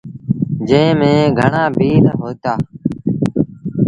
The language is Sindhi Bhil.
جݩهݩ ميݩ گھڻآ ڀيٚل هوئيٚتآ۔